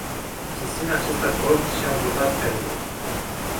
Susțin acest acord și am votat "pentru”.